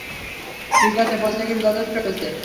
ঠিক আছে, প্রত্যেকেরই যথেষ্ট হয়েছে।